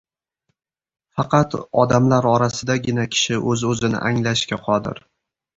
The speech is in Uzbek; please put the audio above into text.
Faqat odamlar orasidagina kishi o‘z-o‘zini anglashga qodir.